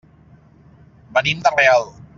Venim de Real.